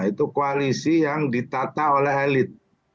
itu koalisi yang ditata oleh elit